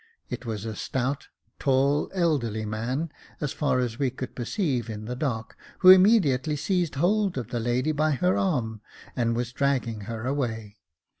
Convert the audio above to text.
It was a stout, tall, elderly man, as far as we could perceive in the dark, who immediately seized hold of the lady by the arm, and was dragging her away.